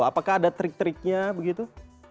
apakah ada trik triknya begitu